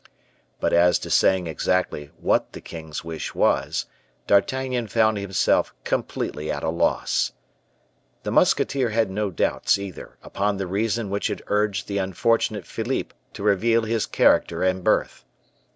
But as to saying exactly what the king's wish was, D'Artagnan found himself completely at a loss. The musketeer had no doubts, either, upon the reason which had urged the unfortunate Philippe to reveal his character and birth.